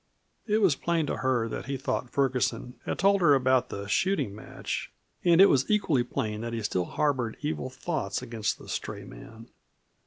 It was plain to her that he thought Ferguson had told her about the shooting match, and it was equally plain that he still harbored evil thoughts against the stray man.